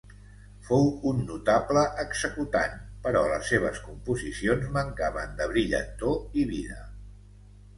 Fou un notable executant, però les seves composicions mancaven de brillantor i vida.